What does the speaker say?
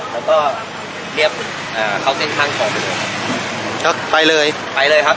แล้วก็เรียบอ่าเข้าเส้นทางของก็ไปเลยไปเลยครับ